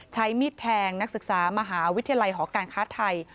ใช้มีดแทงนักศึกษามหาวิทยาลัยหอการค้าไทย